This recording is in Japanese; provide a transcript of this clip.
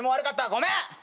ごめん。